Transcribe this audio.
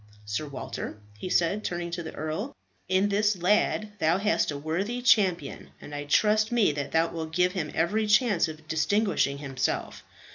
Sir Walter," he said, turning to the earl, "in this lad thou hast a worthy champion, and I trust me that thou wilt give him every chance of distinguishing himself.